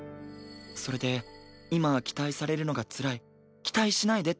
それで今は期待されるのがつらい期待しないでって言ったのね。